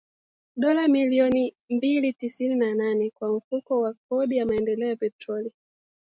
(dola milioni mia mbili tisini na nane) kwa Mfuko wa Kodi ya Maendeleo ya Petroli